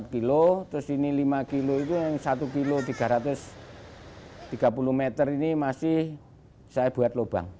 empat kilo terus ini lima kilo itu yang satu kilo tiga ratus tiga puluh meter ini masih saya buat lubang